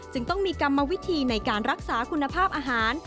จึงต้องมีกรรมวิธีในการรักษาคุณภาพอาหาร